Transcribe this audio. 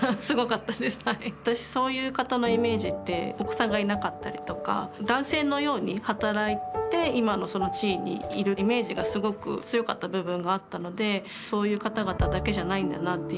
私そういう方のイメージってお子さんがいなかったりとか男性のように働いて今のその地位にいるイメージがすごく強かった部分があったのでそういう方々だけじゃないんだなっていう。